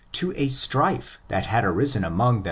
to a strife that had arisen among.